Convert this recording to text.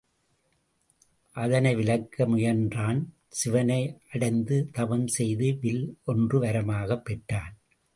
அதனை விலக்க முயன்றான் சிவனை அடைந்து தவம் செய்து வில் ஒன்று வரமாகப் பெற்றான்.